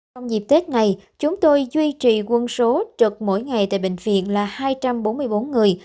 trong dịp tết này chúng tôi duy trì quân số trực mỗi ngày tại bệnh viện là hai trăm bốn mươi bốn người